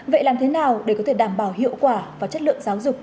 vậy làm thế nào để có thể đảm bảo hiệu quả và chất lượng giáo dục